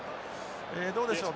えどうでしょう